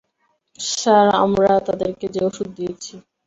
Sir, আমরা তাদেরকে যে ওষুধ দিয়েছি।